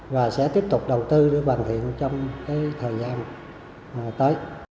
và sẽ tiếp tục đầu tư để bàn thiện trong thời gian qua